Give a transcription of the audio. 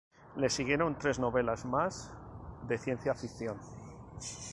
Le siguieron tres novelas más de ciencia ficción.